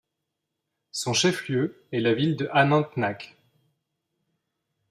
Son chef-lieu est la ville de Anantnag.